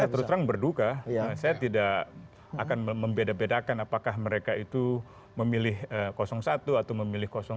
saya terus terang berduka saya tidak akan membeda bedakan apakah mereka itu memilih satu atau memilih satu